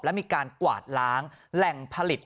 และมีการกวาดล้างแหล่งผลิต